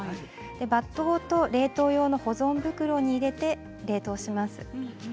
バットごと冷凍用の保存袋に入れて冷凍します。